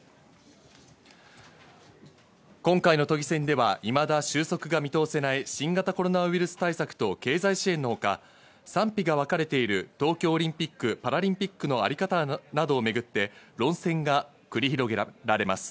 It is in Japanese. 今回の都議選ではいまだ収束が見通せない新型コロナウイルス対策と経済支援のほか、賛否がわかれている東京オリンピック・パラリンピックのあり方などをめぐって、論戦が繰り広げられます。